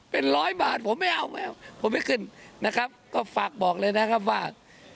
เป็นร้อยบาทผมไม่เอาไม่เอาผมไม่ขึ้นนะครับก็ฝากบอกเลยนะครับว่า